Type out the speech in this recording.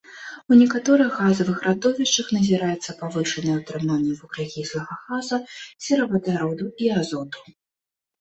У некаторых газавых радовішчах назіраецца павышанае ўтрыманне вуглякіслага газа, серавадароду і азоту.